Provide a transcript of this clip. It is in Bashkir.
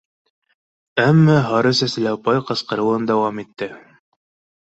Әммә һары сәсле апай ҡысҡырыуын дауам итте: